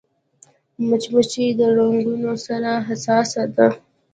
مچمچۍ د رنګونو سره حساسه ده